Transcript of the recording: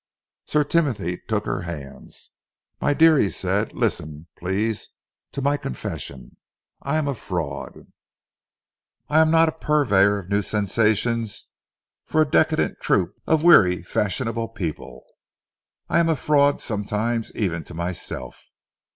Sir Timothy took her hands. "My dear," he said, "listen, please, to my confession. I am a fraud. I am not a purveyor of new sensations for a decadent troop of weary, fashionable people. I am a fraud sometimes even to myself.